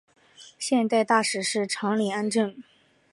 现任大使是长岭安政。